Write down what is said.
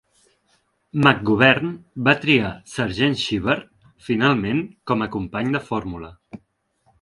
McGovern va triar Sargent Shriver finalment com a company de fórmula.